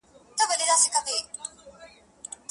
اوس د شپې نکلونه دي پېیلي په اغزیو؛